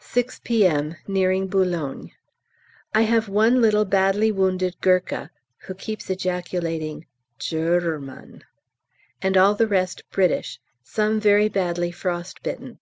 6 P.M. Nearing Boulogne. I have one little badly wounded Gurkha (who keeps ejaculating "Gerrman"), and all the rest British, some very badly frost bitten.